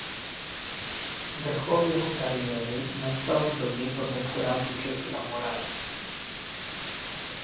Vrchol jeho kariéry nastal v době Protektorátu Čechy a Morava.